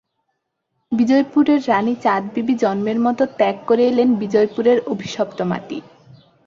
বিজাপুরের রানী চাঁদবিবি জন্মের মতো ত্যাগ করে এলেন বিজাপুরের অভিশপ্ত মাটি।